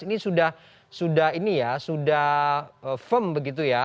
ini sudah firm begitu ya